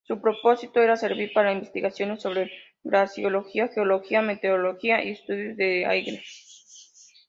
Su propósito era servir para investigaciones sobre glaciología, geología, meteorología y estudios del aire.